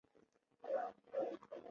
为住居表示实施区域。